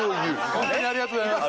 ホントにありがとうございます。